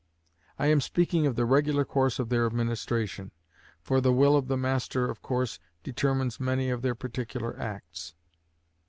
I am speaking of the regular course of their administration; for the will of the master of course determines many of their particular acts.